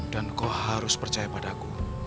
dan kau harus percaya padaku